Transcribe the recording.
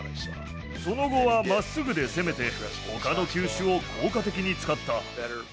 その後はまっすぐで攻めて、ほかの球種を効果的に使った。